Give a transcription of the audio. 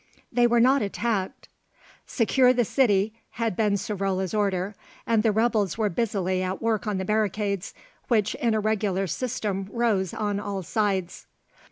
They were not attacked. "Secure the city," had been Savrola's order, and the rebels were busily at work on the barricades, which in a regular system rose on all sides.